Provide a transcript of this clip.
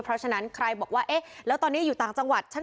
เพราะฉะนั้นใครบอกว่าเอ๊ะแล้วตอนนี้อยู่ต่างจังหวัด